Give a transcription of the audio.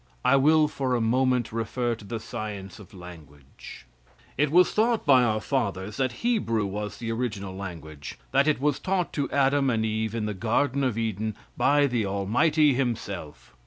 I will for a moment refer to the science of language. It was thought by our fathers that Hebrew was the original language; that it was taught to Adam and Eve in the Garden of Eden by the Almighty himself.